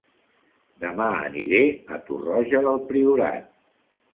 Dema aniré a Torroja del Priorat